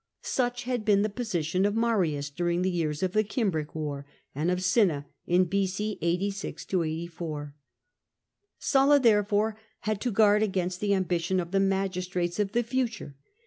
Such had been the position of Marius during the years of the Cimbric war, and of Cinna in B.c. S6 84, Sulla therefore had to guard against the ambition of the magistrates of the future.